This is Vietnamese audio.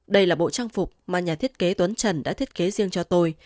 đây là bộ trang phục mà nhà thiết kế tuấn trần đã thiết kế riêng cho tôi